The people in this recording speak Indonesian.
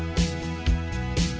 kita harus bisa memperbaiki